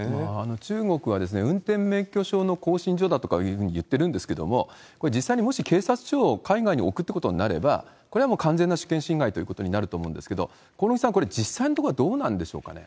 中国は、運転免許証の更新所だとかいうふうに言ってるんですけれども、これ、実際にもし警察署を海外に置くということになれば、これはもう完全な主権侵害ということになると思うんですが、興梠さん、これ、実際のところはどうなんでしょうかね？